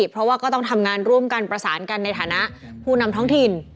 เพราะว่าก็ต้องทำงานร่วมกันประสานกันในฐานะผู้นำท้องถิ่น